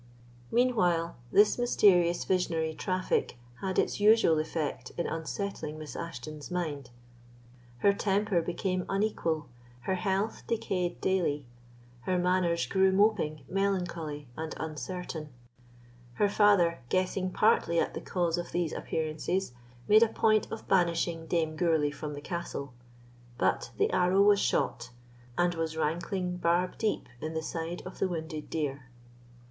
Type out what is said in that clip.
Meanwhile, this mysterious visionary traffic had its usual effect in unsettling Miss Ashton's mind. Her temper became unequal, her health decayed daily, her manners grew moping, melancholy, and uncertain. Her father, guessing partly at the cause of these appearances, made a point of banishing Dame Gourlay from the castle; but the arrow was shot, and was rankling barb deep in the side of the wounded deer.